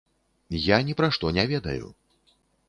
Я ні пра што не ведаю.